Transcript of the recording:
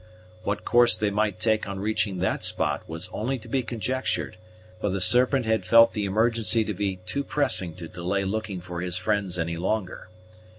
What course they might take on reaching that spot was only to be conjectured; for the Serpent had felt the emergency to be too pressing to delay looking for his friends any longer.